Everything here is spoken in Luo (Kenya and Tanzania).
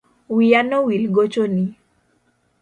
Wia nowil gochoni